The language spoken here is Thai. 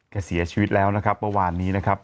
แค่เสียชีวิตแล้วเมื่อวานนี้นะครับ